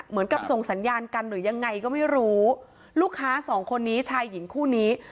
เหมือนกับส่งสัญญาณกันหรือยังไงก็ไม่รู้ลูกค้าสองคนนี้ชายหญิงคู่นี้